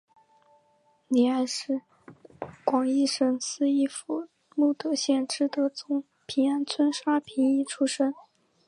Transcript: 黎艾是广义省思义府慕德县知德总平安村沙平邑出生。